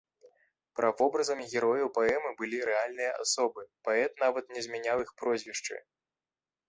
Правобразамі герояў паэмы былі рэальныя асобы, паэт нават не змяняў іх прозвішчы.